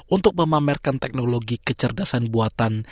untuk memamerkan teknologi kecerdasan buatan